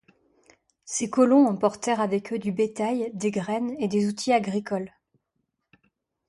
Ces colons emportèrent avec eux du bétail, des graines et des outils agricoles.